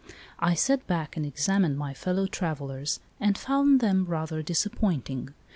I sat back and examined my fellow travellers, and found them rather disappointing.